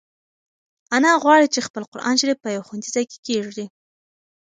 انا غواړي چې خپل قرانشریف په یو خوندي ځای کې کېږدي.